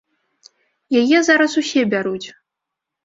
Яе зараз усе бяруць.